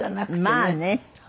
まあね。